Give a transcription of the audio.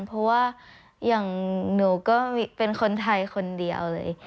เพราะว่าอย่างหนูก็เป็นคนไทยคนเดียวเลย